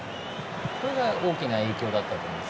これが大きな影響だったと思います。